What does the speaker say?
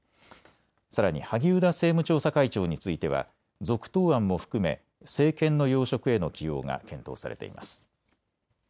さらに萩生田政務調査会長については続投案も含め政権の要職への起用が検討されています。